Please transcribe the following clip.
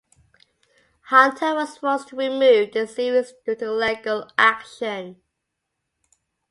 Hunter was forced to remove the series due to legal action.